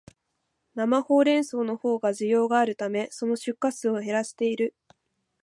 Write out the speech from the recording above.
生ホウレンソウのほうが需要があるため、その出荷数を減らしている